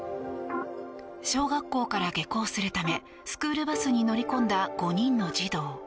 小学校から下校するためスクールバスに乗り込んだ５人の児童。